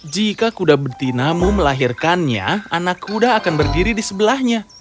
jika kuda betinamu melahirkannya anak kuda akan berdiri di sebelahnya